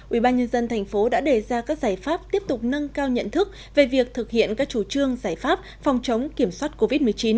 ủy ban nhân dân thành phố đã đề ra các giải pháp tiếp tục nâng cao nhận thức về việc thực hiện các chủ trương giải pháp phòng chống kiểm soát covid một mươi chín